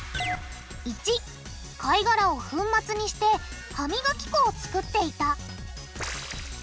①貝がらを粉末にして歯みがき粉をつくっていた。